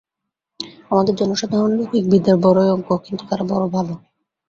আমাদের জনসাধারণ লৌকিক বিদ্যায় বড়ই অজ্ঞ, কিন্তু তারা বড় ভাল।